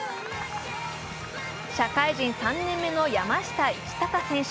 社会人３年目の山下一貴選手。